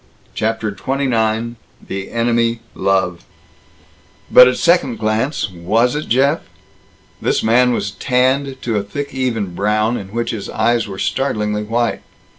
CHAPTER XXIX THE ENEMY LOVE But at second glance was it Jeff? This man was tanned to a thick even brown in which his eyes were startlingly white.